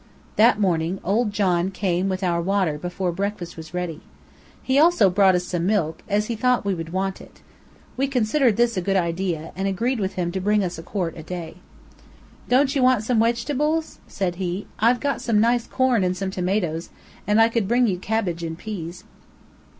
That morning, old John came with our water before breakfast was ready. He also brought us some milk, as he thought we would want it. We considered this a good idea, and agreed with him to bring us a quart a day. "Don't you want some wegetables?" said he. "I've got some nice corn and some tomatoes, and I could bring you cabbage and peas."